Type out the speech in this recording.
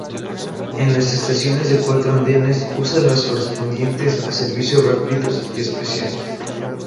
En las estaciones de cuatro andenes usa los correspondientes a servicios rápidos y especiales.